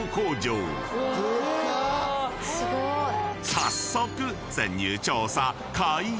［早速］